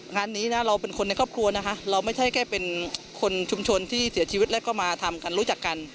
งานนี้นะเราเป็นคนในครอบครัวนะคะเราไม่ใช่แค่เป็นคนชุมชนที่เสียชีวิตแล้วก็มาทำกันรู้จักกัน